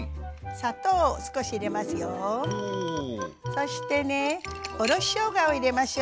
そしてねおろししょうがを入れましょう。